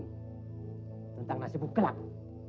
tentang nasibmu kelaku